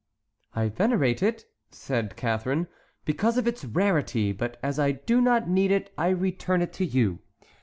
"I venerate it," said Catharine, "because of its rarity, but as I do not need it, I return it to you."